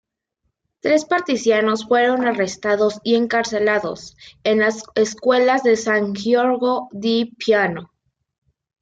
Tres partisanos fueron arrestados y encarcelados en las escuelas de San Giorgio di Piano.